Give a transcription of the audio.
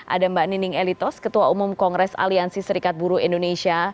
ada mbak nining elitos ketua umum kongres aliansi serikat buruh indonesia